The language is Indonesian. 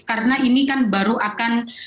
karena ini kan baru akan